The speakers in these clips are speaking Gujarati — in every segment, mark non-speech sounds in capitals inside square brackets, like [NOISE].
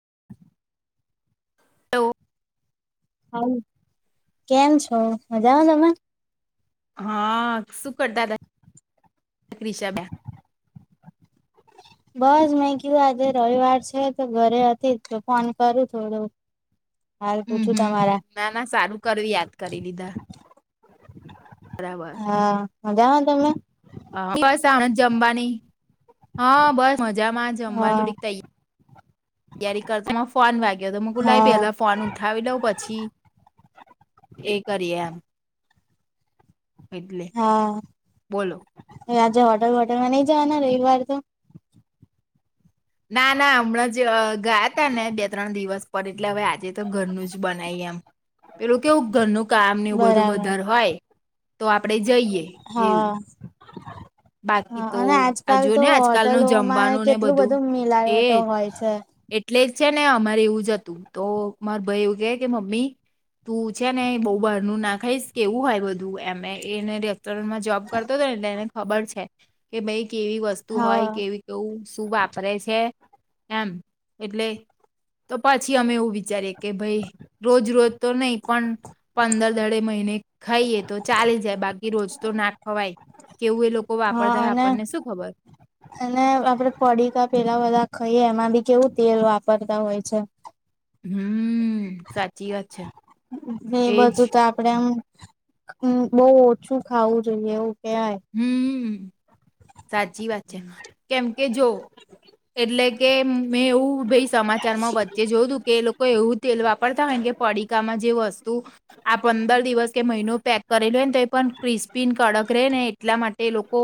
[INAUDIBLE] હલો હાલો કેમ છો, મજા આવે તમે? હા શું કરતા હતા વિશાબે? બસ મેં કીધું આજે રવિવાર છે તો ઘરે હતી જ તો ફોન કરું થોડું. [INAUDIBLE] હમ્મ પૂછું હમ્મ, તમારા ના ના સારું કરવું યાદ કરી દીધા. હા મજામાં તમે? હા બસ જમવાની. હા બસ મજામાં જમવાનું હા થોડીક તૈ યારી કરતા ફોન વાગ્યો હતો મેં કુ લાય હા પેલા ફોન ઉઠાવી લઉં પછી એ કરીએ એમ. એટલે હા બોલો. આજે હોટેલ હોટલ માં નઈ જવાના રવિવાર તો? ના ના હમણાં જ ગયા તા ને બે ત્રણ દિવસ પર એટલે હવે આજે તો ઘરનું જ બનાવી એમ. પેલું કેવું ઘરનું કામ ને એવું બધું બરાબર વધારે હોય તો આપણેે જઈએ હા એવું. બાકી હા તો અને આજકાલ આજુ ને તો આજકાલનું હોટલોમાં જમવાનું ને કેટલું બધું. મિલાવટો એજ. હોય છે એટલે જ છે ને અમારે એવું જ હતું. તો માર ભાઈ એવું કે કે મમ્મી તું છે ને બવ બહાર નું નાખાઈશ કેવું હોય બધું એમે એને માં જોબ કરતો હતો ને એટલે એને ખબર છે કે ભાઈ કેવી વસ્તુ હા હોય કેવી કેવું શું વાપરે છે એમ. એટલે તો પછી અમે એવું વિ ચારે કે ભાઈ રોજ રોજ તો નહી પણ પંદર દાઢે મહિને ખાઈએ તો ચાલી જાય બાકી રોજ તો ના ખવાય. કેવું એ લોકો હા વાપરતા હોય અને આપણને શું ખબર અને આપડે પડીકા પેલા બધા ખાઈએ એમાં બી કેવું તેલ વાપરતા હોય છે. હમ્મ, સાચી વાત છે. એ એજ બધું તો આપડે આમ બહુ ઓછું ખાવું જોઈએ એવું. કેવાય. હમ સાચી વાત છે. કેમ કે જો એટલે કે મેં એવું ભાઈ સમાચારમાં વચ્ચે જોય તું કે એ લોકો એવું તેલ વાપરતા હોય ને કે પડીકામાં જે વસ્ તું આ પંદર દિવસ કે મહિનો પેક કરેલું હોય ને તો એ પણ ક્રિસ્પીને કડક રે ને એટલા માટે લોકો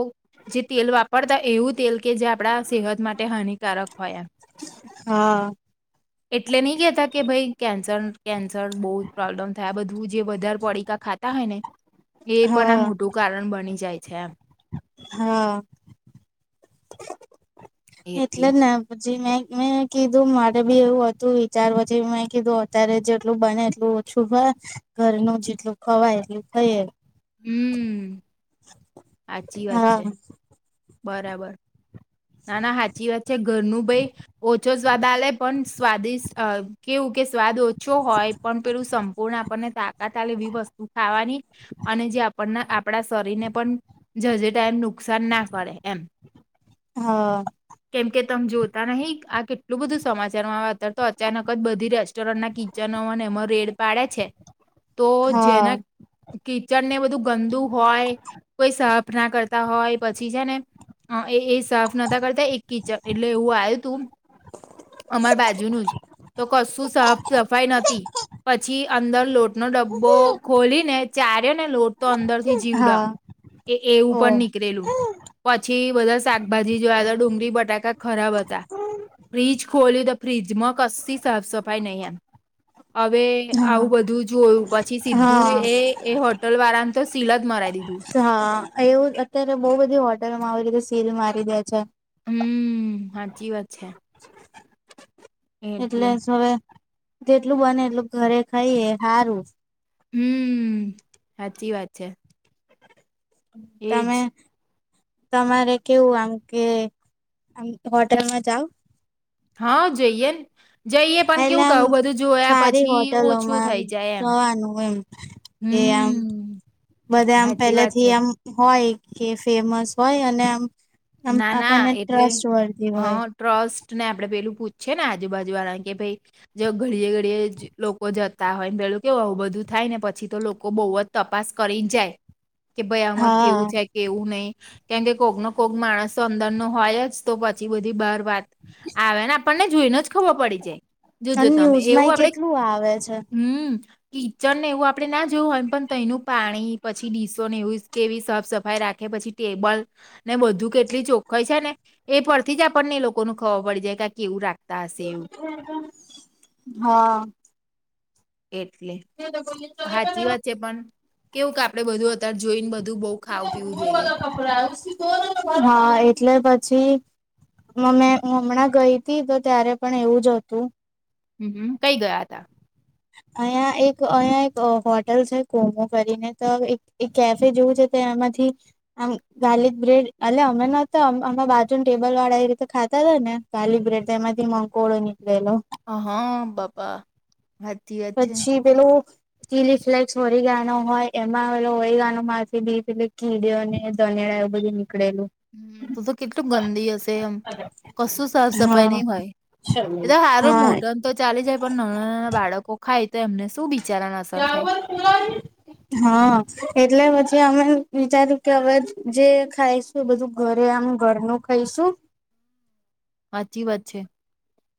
જે તેલ વાપરતા એવું તેલ કે જે આપણા સેહત માટે હાનિકારક હોય એમ. હા. એટલે નહી કેતા કે ભાઈ કેન્સર કેન્સર બહુ પ્રોબ્લેમ થાય બધું જે વધારે પડીકા ખાતા હોય ને એ પણ આ હા મોટું કારણ બની જાય છે આમ. હા. એટલે ને જી મેં મેં કીધું મારે બી એવું હતું વિચારવાથી મેં કીધું અત્યારે જેટલું બને એટલું છુભ ઘરનું જેટલું ખવાય એટલું ખાઈએ. હમ્મ. સાચી વાત હા છે. બરાબર. ના ના સાચી વાત છે ઘરનું ભાઈ ઓછો સ્વાદ આ લે પણ સ્વાદિષ્ટ કેવું કે સ્વાદ ઓછો હોય પણ પેલું સંપૂર્ણ આપણને તાકાત લ એવી વસ્તુ ખાવાની અને જે પણ આપણા શરીરને પણ જજેટાઈમ નુકસાન ના કરે એમ હા કેમ કે તમે જોતા નહી આ કેટલું બધું સમાચારમાં આવે અત્યારે તો અચાનક જ બધી રેસ્ટોરન્ટના કિચનો અને એ રેડ પાડે છે તો જેના હા કિચડ ને બધું ગંદુ હોય કોઈ સાફ કના કરતા હોય પછી છે ને એ એ સા તા કરતા એક કિચક એટલે એવું આવ્યું તું અમાર બાજુનું જ તો કશું સાફ સફાઈ નથી પછી અંદર લોટ નો ડબ્બો ખોલી ને ચાર્યોને લોટ તો અંદર જીવડા હા એ એવું ઓ પણ નીકળેલું પછી બધા ભાજી જોયા તો ડુંગળી બટાકા ખરાબ હતા ફ્રિજ ખોલલીયો તો ફ્રિજમાં કસ્સી સાફ સફાઈ નય હવે આવું હા બધું જોયું પછી સીધું હા એ એ હોટલ વાળાને તો સિલજ મરાઈ દીધું હા એવું અત્યારે બહુ બધી હોટેલોમાં આવી રીતે સીલ મારી દે છે. હમ્મ સાચી વાત છે. એટલે હવે જેટલું બને એટલું ઘરે ખાઈ સારું હમ્મ સાચી વાત છે. એ તમે જ તમારે કેવું આમ કે હોટેલમાં જાઓ હા જઈએ જઈએ પણ એટલે કેવું આમ કઉું બધું જોયા સારી પછી ઓછું હોટલોમાં થઈ જાય એમ જવાનું એમ કે આમ હમ બધા આમ સાચી પેલે વાત થી છે આમ હોય કે ફેમસ હોય અને એમ ના ના એટલે હ હોય ટ્રસ્ટ ને આપડે પેલું પૂ છે ને આજુબાજુ વાળા કે ભાઈ જો ઘડીએે ઘડીએ લોકો જતા હોય ને પેલું કેવું બું બધું થાય. થાય ને પછી તો લોકો બહુ જ તપાસ કરી જાય. કે ભાઈ આમાં હા કેવું છે કેવું નહી કેમ કે કોગ ન કોક માણસ તો અંદર નો હોય જ તો પછી બધી બાર વાત આવે ને આપણને જોઈને જ ખબર પડી જાય જોજો અને તમે ન્યૂઝમાં એવું એ આપડે કેટલું આવે છે હમ કિચન ને એવું આપણે ના જોયું હોયમ પણ તોનું પાણી પછી ડીસો ને એવીું કેવી સાફ સફાઈ રાખે પછી ટેબલ ને બધું કેટલી ચોખ્ખઈ છે ને એ પરથી આપણને એ લોકો ન ખબર પડી જાય કે આ કેવું રાખે હા એટલે હાચી વાત છે પણ કેવું કે આપડે બધું અત્યારે જોઈને બધું બહ ખાવું પીવું જોઈએ. હા એટલે પછી મમે હમણાં ગઈ હતી તો ત્યારે પણ એવું જ હતું. હમ્મ કઈ ગયા હતા અહિયાં એક અહીયાયા એક હોટેલ છે કોમો કરીને તો કેફે જેવું છે. એમાંથી આમ ગાર્લિક બ્રેડ એલે અમે ન અ બાજુને ટેબલ વાળા એ રીતે ખા લીલા હતા ને કાલી બ્રેટ એમાંથી મકોળો નીકળ્- હ હા બાપા હાચી વાત છે પછી પેલુ ચિલી ફ્લેક્સ ઔળીગાનો હોય એમાં ઔણગાનો માથી બી પેલે કીડીઓ ને ધનિયા એ બધી હ તો તો કેટલું ગંદી હશે એમ કશું સાફ સફાઈ હા નહી હોય. એ તો સારું હા મોટા ન તો ચાલી જાય પણ નાના નાના બાળકો ખાય તો એમને શું બીચ [UNINTELLIGIBLE] હા એટલે બધ કે અમે વિચાર્યું કે હવે જે ખાઈશું એ બધું ઘરે આમ ઘરનું ખાઈશું. [INAUDIBLE] સાચી વાત છે.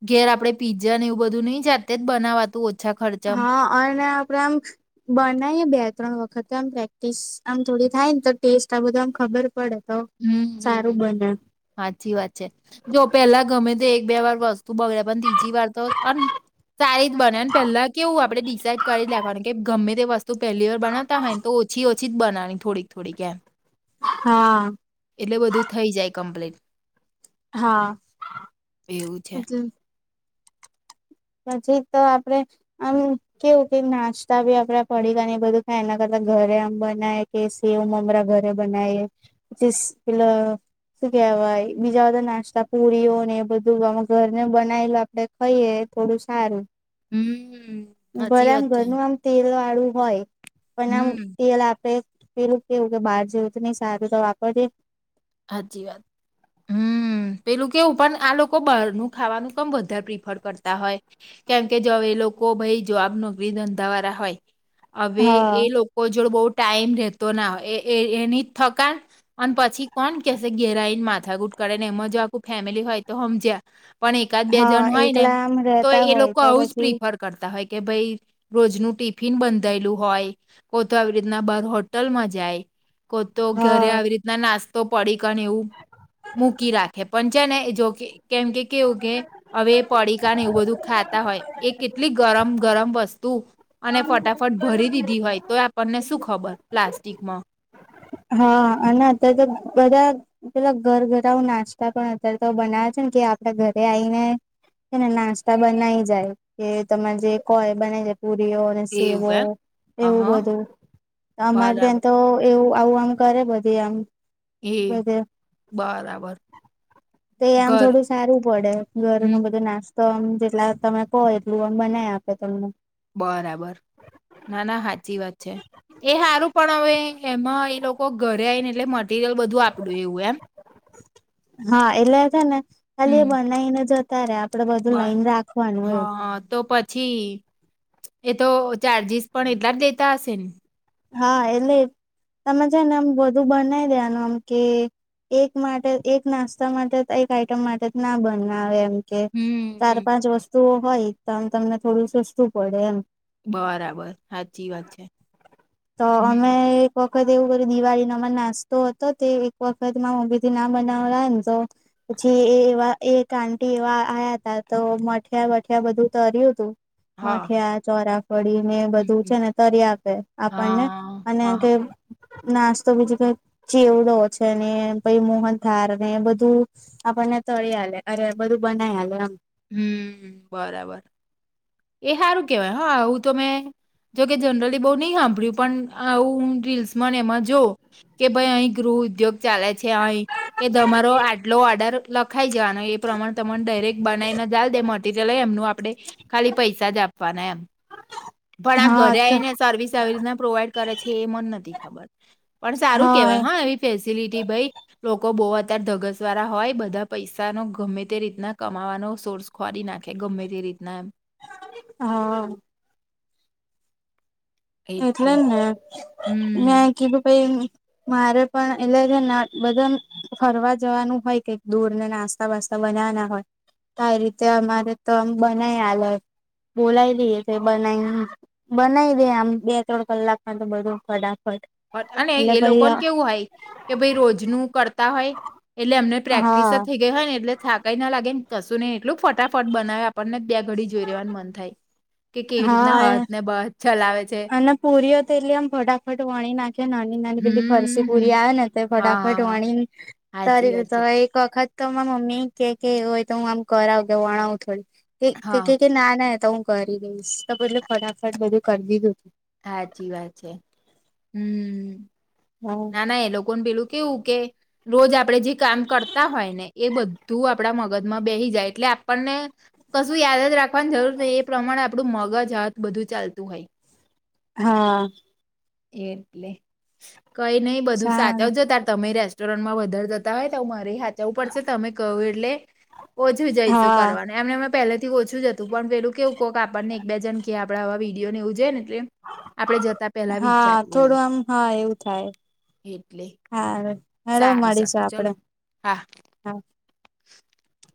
ઘેર આપડે પીઝ્ઝા ને એવું બધું નહી જાતે જ બનાવાતું ઓ હા અને પિયાક આમ બનાવી બે ત્રણ વખત આમ પ્રેક્ટિસ આમ થોડી થાય ને તો ટેસ્ટ આ બધ આમ ખબર પડે તો સારું હમ બને સાચી વાત છે જો પેલા ગમે તો એક બે વાર વસ્તુ બગડ્યા પણ તીજી વાર તો સારી રીત બનેને પહેલા કેવું આપડણે ડિસાાઈડ કરી રાખવાનું કે ગમે તે વસ્તુ પહેલી વાર બનાતા હોય તો ઓછી ઓછી જ બનાણી થોડીક થોડીક એમ હા એટલે બધું થઇ જાય કમ્પ્લીટ હા એવું છે. હ પછી તો આપડે આમ કેવું કે નાસ્તા બી આપડે પડીગા ને બધું ખાય એના કરતા ઘરે આમ બનાય કે સેવ મમરા ઘરે બનાય પછી પેલ સુું કેહેવાય બીજા બધા નાસ્તા પુરીઓ ને એ બધું આ ઘરને બનાયલ આપડે ખાઈએે થોડું હમ. સારું સાચી ભરા આમ વાત છે ઘરનું આમ તેલ હાડવુ હોય પણમ હમ તેલ આપે પેલું કેવું કે બહાર જવું તો નહી સારું તો વાપરજે હાચી વાત હમ પેલું કેવું પણ આ લોકો બહારનું ખાવાનું કમ વધારે પ્રિફર કરતા હોય કેમકે જો હવે એ લોકો ભાઈ જવાબ નોક ધંધાવારા હોય હવે હા એ લોકો જોડે બઉ ટાઈમ રહેેતો ના એની જ થક અને પછી કોણ કેસે ઘેરાઈને માથા ગુટ કરે ને એમાં જો આખું ફેમિલી હોય તો સમમજ્યા પણ એકાદ બે હા જણ હોય નેમ એકલા આમ તો રહેતા એ હોય લોકો તો આવું જ પછી પ્રિફર કરતા હોય કે ભાઈ રોજનું ટિફિન બંધાયેલું હોય કો તો આવી રીતના બાર હોટલમાં જાય કો તો ઘરે હા આવી રીતના નાસ્તા તો પડીકને એવું મૂકી રાખે પણ છે ને જોકે કેમ કે કેવું કે હવે પડીિકાને એવું બધું ખા ખાતા હોય એ કેટલી ગરમ ગરમ વસ્તુ અને ફટાફટ ભરી દીધી હોય તો તને શું ખબર પ્લાસ્ટિકમાં હા અને અત્યારે તો બધા પેલા ઘર ઘર આવ નાસ્તા પણ અત્યારે તો બનાવે છે ને કે આપડા ઘરે આવીને કેને નાસ્તા બનાઈ જાય કે તમારે જે કોય બનાઈ જાય પુરીઓ સેવો એવું એમ હ એવું હા બધું અમારે ત્યાં બરાબર તો એવું આવું આમ કરે બધી આમ હે બધે બરાબર તો એ આમ ઘર થોડું સારું પડે ઘર ન હમ બધું નાસ્તો આમ એટલા તમે કહો એટલું આમ બનાય આપે તમને બરાબર ના ના સાચી વાત છે એ સારું પણ હવે એમાં એ લોકો ઘરે આવીઈને એટલે મટીરિયલ બધું આપડું એવું એમ હા એટલે હતા ને ખાલી એ બનાવીને જતા રે આપડે બધું બંધ લઈને રાખવાનું એવું હા તો પછી એતો ચાર્જીિસ પણ એટલા જ દેતા હશે ને હા એટલે તમે છે ને આમ બધું બનાવી લેવાનું આમ કે એક માટે એક નાસ્તા માટે એક આઈટમ માટે ના બનાવે એમ કે હમ ચાર હમ પાંચ વસ્તુઓ હોય તો આમ તમને થોડું સસ્તું પડે એમ બરાબર સાચી વાત છે તો હમ અમે એ એક વખત એવું દિવાળી નો નાસ્તો હતો તે એક વખત મમ્મી થી ના બનાવના ને તો પછી એ એવા એક આંટી એવા આયા હતા તો મઠિયા વઠિયા બધું તર્યું હતું. હા. મઠિયા ચોરાફળી મેને હમ બધું હમ છે, ને તરી આપ પણને હા અને હા હા કે. નાસ્તો બીજું કઈ ચીવડો છે, ને મોહનધાર ને બધું આપણને તળી આલે અરે બધું બનાઈ હલે એમ. હમ બરાબર એ સારું કેવાય હા હું તો મેં જોકે જનરલી બઉ નહી સાંભળ્યું પણ આવું રીલ્સમાં એમાં જો કે ભાઈ અહી ગુ ઉદ્યોગ ચાલે છે અહી કે તમારો આટલો ઓર્ડર લખાઈ જવાનો એ પ્રમાણે તમને બનાઈને જાલ દે મટીરીયલ એમનું આપડે ખાલી પૈસા જ આપવાના એમ. પણ આ હા ઘરે તો આઈને સર્વિસ આવી રીતના પ્રોવાઈડ કરે છે એ મન નથી ખબર. પણ સારું કેવાય હા એવી ફેસિલિટી ભાઈ લોકો બહુ ધગસ વાળા હોય બધા પૈસા નો ગમે તે રીતના કમાવાનો સોર્સ ખોરી નાખે ગમે તે રીતના એમ હા. એટલે ને મેં હમ કીધું પાઈ મારે પણ એટલે જે બધા ફરવા જવાનું હોય કે દૂર ને નાસ્તા વાસ્તા બનાવવાના હોય તો આ રીતે અમારે તો આમ બનાય આલે બોલાવી દઈએ તો બનાવી બનાવી દે આમ બે ત્રણ કલાક માં તો બધું ખડા અને એ લોકોને કેવું હોય કે ભાઈ રોજનું કરતા હોય એટલે અમને પ્રેક્ટિસ હા થઇ ગઈ હોય ને એટલે થાક કઈ ના લાગે ને કશું એટલું ફટાફટ બનાવે આપણને બે ઘડી જોઈ રેવાનું મન થાય કે કેવી રીતના હા હથ ને બથ ચલાવે છે અને ના પુરીઓ તો એટલી આમ ફટાફટ વણી નાખે નાની નાની હમ પેલી ફરસી પુરી હમ. આવે ને તે હા ફટાફટ હા હા વણીને હાચી તારી રી વાત છે તો એક વખત તો અમરા મમ્મી કે કે એવું હોય તો હું આમ કરાવું કે વણાવું હા થોડી ના ના તો હું કરી દઈશ તો બધલું ફટાફટ બધું કરી દીધું સાચી વાત છે હમ હતું. ના ના એ લોકો પેલું કેવું કે રોજ આપણે જે કામ કરતા હોય ને એ બધું આપણા મગજમાં બે હી જાય એટલે આપણને કશું યાદ જ રાખવાની જરૂર છે, એ પ્રમાણે આપણું મગજ હાથ બધું ચાલતું હોય. હા. એટલે કંઈ નઈ બધું સારું સાચવજો તાર તમે મારા છો. ચરણમા વધારે જતા હોય તો મારી હા જવું પડશે તમે કહું એટલે ઓછું જઈશું હા કરવાનું એમને અમે પહેલા થી ઓછું જ હતું પણ પેલું કે એવું કોઈક આપણને એક બે જ ક કે આપણે આવા વિડીયો નેવું જોઈ ને એ આપડે જતા પેલા હા વિચારીવું. થોડું આમ હા એવું થાય એટલે હા હેડો સારું મળીશું સારું ચલો આપડે હા. હા. [UNINTELLIGIBLE] [INAUDIBLE]